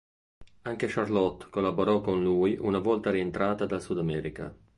Anche Charlotte collaborò con lui una volta rientrata dal Sudamerica.